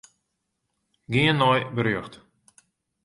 Gean nei berjocht.